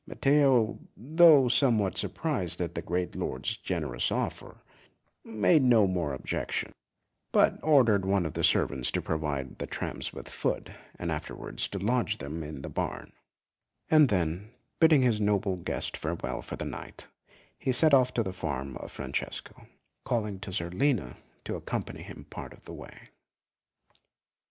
Matteo, though somewhat surprised at the great lord's generous offer, made no more objection, but ordered one of the servants to provide the tramps with food, and afterwards to lodge them in the barn; and then, bidding his noble guest farewell for the night, he set off to the farm of Francesco, calling to Zerlina to accompany him part of the way.